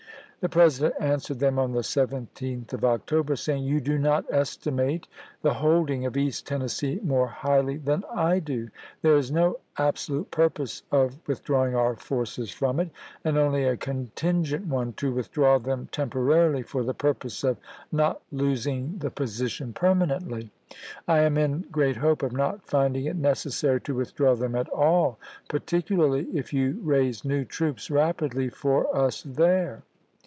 The President answered them on the 17th of October, saying, " You do not estimate the holding of East Tennessee more highly than I do. There is no absolute purpose of with drawing our forces from it, and only a contingent one to withdraw them temporarily for the purpose of not losing the position permanently. I am in great hope of not finding it necessary to withdraw them at all, particularly if you raise new troops rapidly for us there."